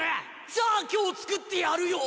じゃあ今日つくってやるよ！